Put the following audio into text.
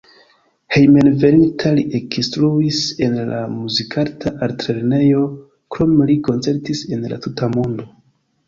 Hejmenveninta li ekinstruis en la Muzikarta Altlernejo, krome li koncertis en la tuta mondo.